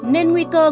nên nguy cơ là